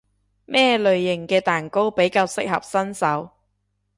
咩類型嘅蛋糕比較適合新手？